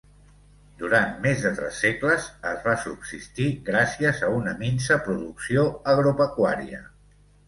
Durant més de tres segles es va subsistir gràcies a una minsa producció agropecuària.